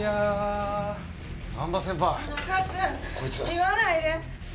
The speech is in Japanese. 言わないで。